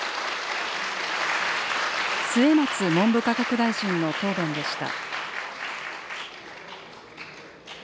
末松文部科学大臣の答弁でした。